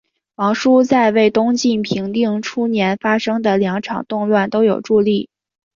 王舒在为东晋平定初年发生的两场动乱都有助力。